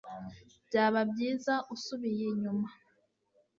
byaba byiza usubiye inyuma